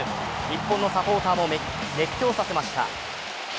日本のサポーターも熱狂させました。